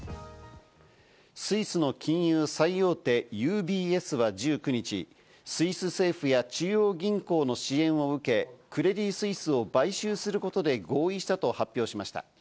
スイスの金融最大手ＵＢＳは１９日、スイス政府や中央銀行の支援を受け、クレディ・スイスを買収することで合意したと発表しました。